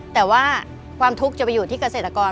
แต่ว่าความทุกข์จะไปอยู่ที่เกษตรกร